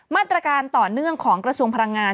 มาตรการต่อเนื่องของกระทรวงพลังงาน